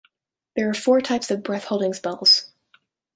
There are four types of breath-holding spells.